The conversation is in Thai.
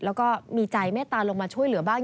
แล้วก็มีใจเมตตาลงมาช่วยเหลือบ้าง